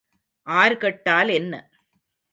R கெட்டால் என்ன?